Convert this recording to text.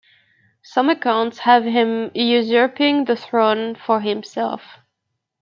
Some accounts have him usurping the throne for himself.